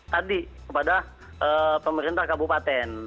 tadi kepada pemerintah kabupaten